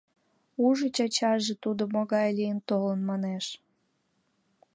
— Ужыч, ачаже, тудо могай лийын толын, — манеш.